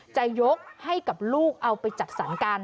จะยกให้กับลูกเอาไปจัดสรรการ